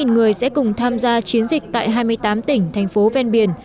hai mươi tám người sẽ cùng tham gia chiến dịch tại hai mươi tám tỉnh thành phố ven biển